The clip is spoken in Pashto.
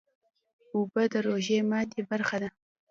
اوبه د روژې ماتی برخه ده